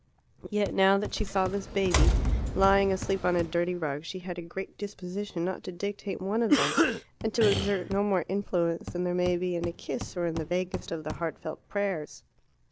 Yet now that she saw this baby, lying asleep on a dirty rug, she had a great disposition not to dictate one of them, and to exert no more influence than there may be in a kiss or in the vaguest of the heartfelt prayers.